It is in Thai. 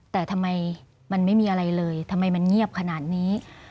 แต่ทำไมมันไม่มีอะไรเลยทำไมมันเงียบขนาดนี้